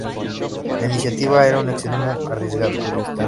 La iniciativa era en extremo arriesgada.